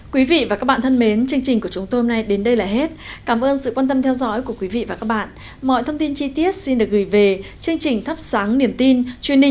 xin chào và hẹn gặp lại quý vị và các bạn trong những chương trình lần sau